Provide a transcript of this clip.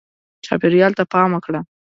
چاپېریال ته پام وکړه.